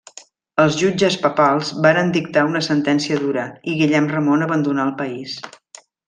Els jutges papals varen dictar una sentència dura i Guillem Ramon abandonà el país.